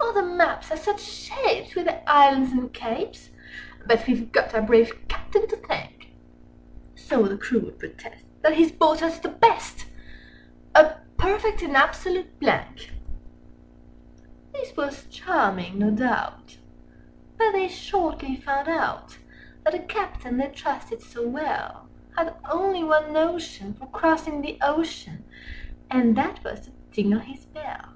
"Other maps are such shapes, with their islands and capes! Â Â Â Â But we've got our brave Captain to thank:" (So the crew would protest) "that he's bought us the best— Â Â Â Â A perfect and absolute blank!" This was charming, no doubt; but they shortly found out Â Â Â Â That the Captain they trusted so well Had only one notion for crossing the ocean, Â Â Â Â And that was to tingle his bell.